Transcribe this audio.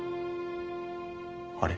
あれ？